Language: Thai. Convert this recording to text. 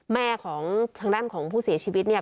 แม่ของทางด้านของผู้เสียชีวิตเนี่ย